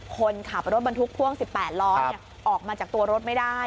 คนขับรถบรรทุกพ่วงสิบแปดร้อนครับออกมาจากตัวรถไม่ได้